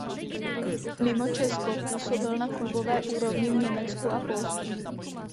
Mimo Česko působil na klubové úrovni v Německu a Polsku.